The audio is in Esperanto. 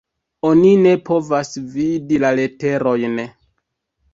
Oni ne povas vidi la leterojn.